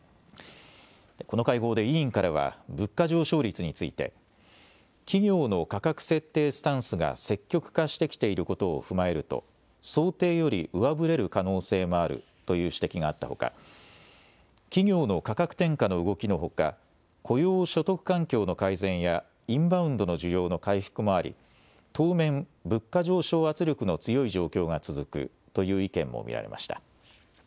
この会合で委員からは、物価上昇率について、企業の価格設定スタンスが積極化してきていることを踏まえると、想定より上振れる可能性もあるという指摘があったほか、企業の価格転嫁の動きのほか、雇用・所得環境の改善やインバウンドの需要の回復もあり、当面、物価上昇圧力の強い状況が続くという意見も見られました。